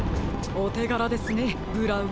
おてがらですねブラウン。